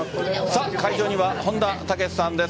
会場には本田武史さんです